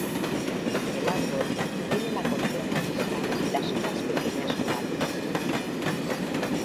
El árbol tiene la corteza lisa y las hojas pequeñas ovales.